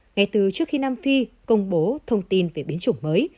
ngay từ trước khi nam phi công bố thông tin về biến chủng mới